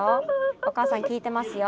おかあさん聞いてますよ。